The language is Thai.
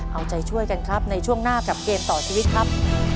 เอาใจช่วยกันครับในช่วงหน้ากับเกมต่อชีวิตครับ